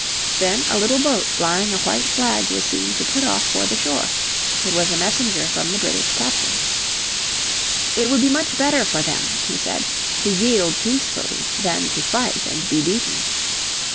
Then a little boat flying a white flag was seen to put off for the shore. It was a messenger from the British captain. It would be much better for them, he said, to yield peacefully than to fight and be beaten.